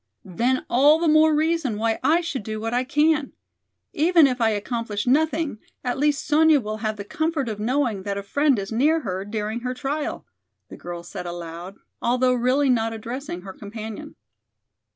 "Then all the more reason why I should do what I can. Even if I accomplish nothing, at least Sonya will have the comfort of knowing that a friend is near her during her trial," the girl said aloud, although really not addressing her companion.